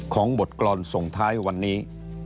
ของบทกรรมส่งท้ายวันนี้